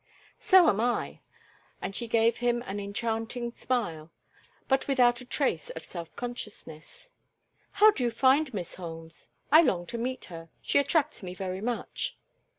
"So am I," and she gave him an enchanting smile, but without a trace of self consciousness. "How do you find Miss Holmes? I long to meet her. She attracts me very much."